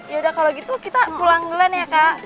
yaudah kalo gitu kita pulang dulu ya kak